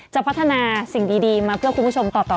พัฒนาสิ่งดีมาเพื่อคุณผู้ชมต่อ